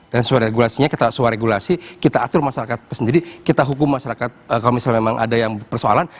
dan sesuai regulasinya kita atur masyarakat sendiri kita hukum masyarakat kalau misalnya memang ada yang persoalan